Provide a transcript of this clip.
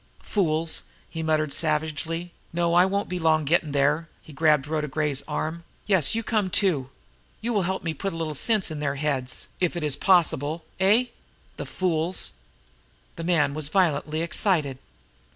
"Fools!" he muttered savagely. "No, I won't be long gettin' there!" He grabbed Rhoda Gray's arm. "Yes, and you come, too! You will help me put a little sense into their heads, if it is possible eh? The fools!" The man was violently excited.